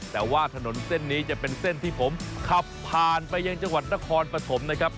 แต่ว่าถนนเส้นนี้จะเป็นเส้นที่ผมขับผ่านไปยังจังหวัดนครปฐมนะครับ